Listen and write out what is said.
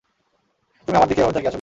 তুমি আমার দিকে এভাবে তাকিয়ে আছ কেন?